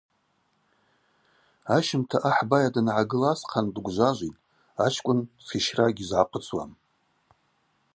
Ащымта ахӏ байа дангӏагыл асхъан дгвжважвитӏ, ачкӏвын дшищра гьйызгӏахъвыцуам.